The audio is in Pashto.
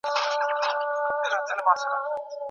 ناوړه طبیب